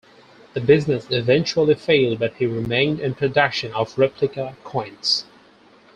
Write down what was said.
The business eventually failed but he remained in production of replica coins.